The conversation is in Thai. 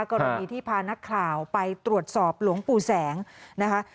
กรณีที่พานักข่าวไปตรวจสอบหลวงปู่แสงนะคะ